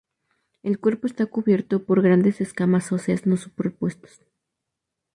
El cuerpo está cubierto por grandes escamas óseas no superpuestas.